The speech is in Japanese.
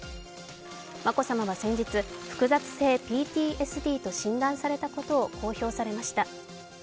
眞子さまは先日、複雑性ＰＴＳＤと診断されたことを公表されました。